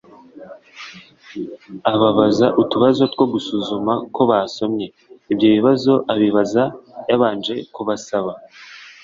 ababaza utubazo two gusuzuma ko basomye. Ibyo bibazo abibabaza yabanje kubasaba